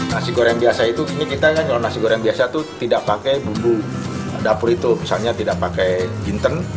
nasi goreng biasa itu ini kita kalau nasi goreng biasa itu tidak pakai bumbu dapur itu misalnya tidak pakai jinten